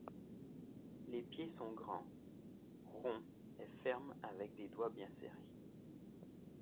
Les pieds sont grands, ronds et fermes avec des doigts bien serrés.